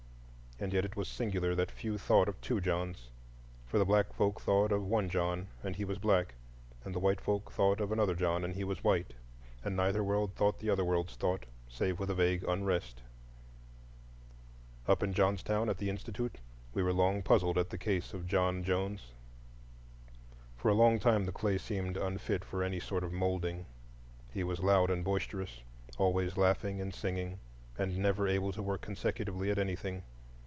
And yet it was singular that few thought of two Johns,—for the black folk thought of one John, and he was black; and the white folk thought of another John, and he was white. And neither world thought the other world's thought, save with a vague unrest. Up in Johnstown, at the Institute, we were long puzzled at the case of John Jones. For a long time the clay seemed unfit for any sort of moulding. He was loud and boisterous, always laughing and singing, and never able to work consecutively at anything.